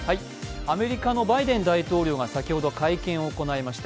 アメリカのバイデン大統領が先ほど会見を行いました。